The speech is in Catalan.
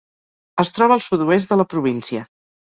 Es troba al sud-oest de la província.